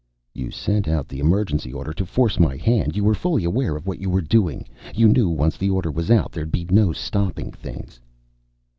"You sent out the emergency order to force my hand. You were fully aware of what you were doing. You knew once the order was out there'd be no stopping things."